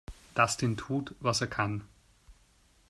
Dustin tut, was er kann.